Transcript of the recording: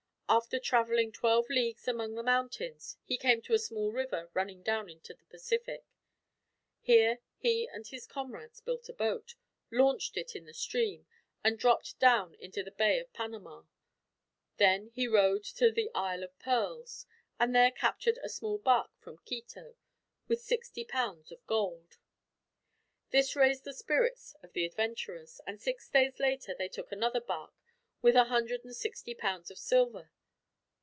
After traveling twelve leagues among the mountains, he came to a small river running down into the Pacific. Here he and his comrades built a boat, launched it in the stream, and dropped down into the bay of Panama. Then he rowed to the Isle of Pearls, and there captured a small barque, from Quito, with sixty pounds of gold. This raised the spirits of the adventurers, and six days later they took another barque, with a hundred and sixty pounds of silver.